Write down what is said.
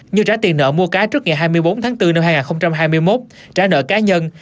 như trả tiền nợ mua cá trước ngày hai mươi bốn tháng bốn năm hai nghìn hai mươi một trả nợ cá nhân